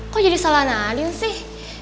kok jadi salah nadin sih